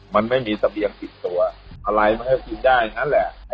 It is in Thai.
มันไม่มีสะเบียงผิดตัวอะไรมันก็กินได้นั่นแหละ